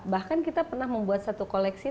bahkan kita pernah membuat satu koleksi